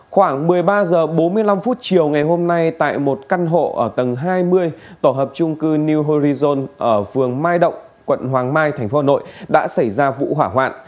khoảng một mươi ba h bốn mươi năm chiều ngày hôm nay tại một căn hộ ở tầng hai mươi tổ hợp trung cư new horizon ở phường mai động quận hoàng mai tp hà nội đã xảy ra vụ hỏa hoạn